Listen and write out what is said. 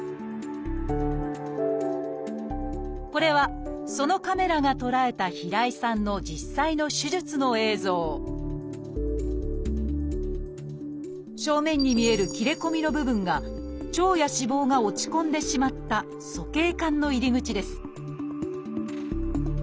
これはそのカメラが捉えた平井さんの実際の手術の映像正面に見える切れ込みの部分が腸や脂肪が落ち込んでしまった鼠径管の入り口です